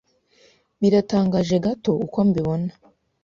Biratangaje gato uko mbibona.